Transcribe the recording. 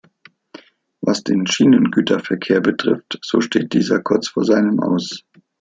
Was den Schienengüterverkehr betrifft, so steht dieser kurz vor seinem Aus.